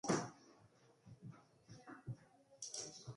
Ezin nauk berandu etxeratu ere...